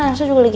ini orang diva